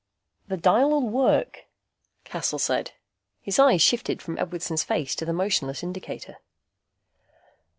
"The dial'll work," Cassel said. His eyes shifted from Edwardson's face to the motionless indicator.